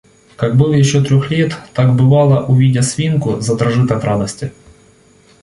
Как был еще трех лет, так, бывало, увидя свинку, задрожит от радости.